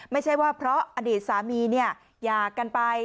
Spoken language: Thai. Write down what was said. ไม่ใช่ว่าเพราะอดีตสามีหย่ากันไป